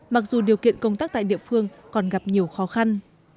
mặc dù điều kiện công tác tại địa phương còn gặp nhiều khó khăn